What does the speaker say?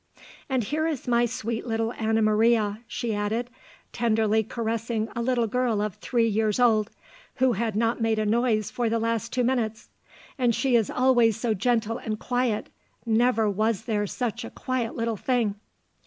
"'And here is my sweet little Anna Maria,' she added, tenderly caressing a little girl of three years old, who had not made a noise for the last two minutes; 'and she is always so gentle and quiet, never was there such a quiet little thing!